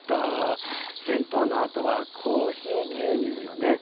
銭湯のあとはコーヒー牛乳よね。